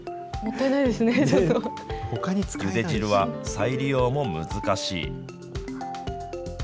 ゆで汁は再利用も難しい。